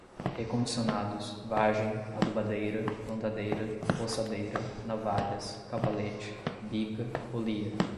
recondicionados, vagem, adubadeira, plantadeira, roçadeira, navalhas, cavalete, bica, polia